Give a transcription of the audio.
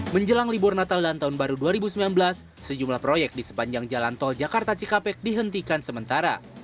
menjelang libur natal dan tahun baru dua ribu sembilan belas sejumlah proyek di sepanjang jalan tol jakarta cikampek dihentikan sementara